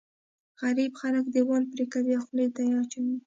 غريب خلک دیوال پرې کوي او خولې ته یې اچوي.